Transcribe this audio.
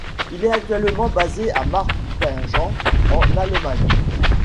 Il est actuellement basé à Marpingen en Allemagne.